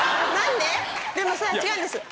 でもさぁ違うんですよ。